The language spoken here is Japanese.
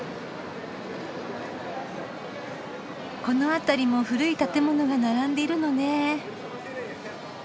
この辺りも古い建物が並んでいるのね。